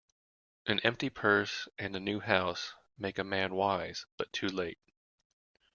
An empty purse, and a new house, make a man wise, but too late.